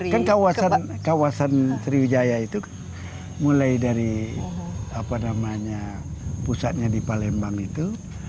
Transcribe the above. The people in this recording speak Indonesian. kan kawasan sriwijaya itu mulai dari pusatnya di palembang itu